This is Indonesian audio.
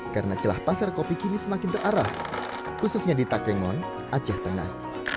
karena celah pasar kopi kini semakin terarah khususnya di takengon aceh tengah